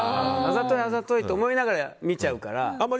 あざといって思いながら見ちゃうから。